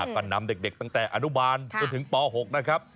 ก็นำเด็กตั้งแต่อนุบาลจนถึงป๖นะครับ